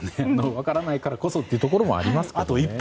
分からないからこそというところもありますね。